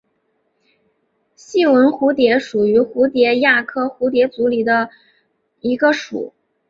细纹蚬蝶属是蚬蝶亚科蚬蝶族里的一个属。